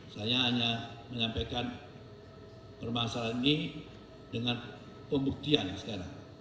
saya hanya menyampaikan permasalahan ini dengan pembuktian yang sekarang